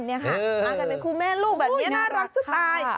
มากันเป็นคู่แม่ลูกแบบนี้น่ารักจะตาย